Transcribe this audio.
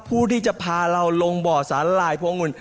ผู้ที่จะพาเราลงบ่อสาหร่ายพวงุล